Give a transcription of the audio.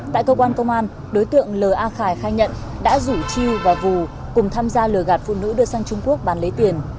tại cơ quan công an đối tượng l a khải khai nhận đã rủ chiêu và vù cùng tham gia lừa gạt phụ nữ đưa sang trung quốc bán lấy tiền